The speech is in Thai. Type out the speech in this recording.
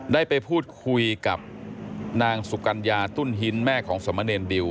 ได้ไปพูดคุยกับนางสุกัญญาตุ้นหินแม่ของสมเนรดิว